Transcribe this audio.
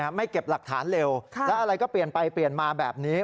ไม่เก็บหลักฐานเร็วแล้วอะไรก็เปลี่ยนไปเปลี่ยนมาแบบนี้